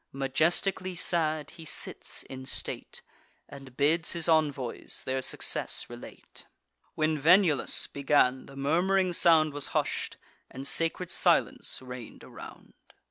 Majestically sad, he sits in state, And bids his envoys their success relate. When Venulus began, the murmuring sound Was hush'd, and sacred silence reign'd around.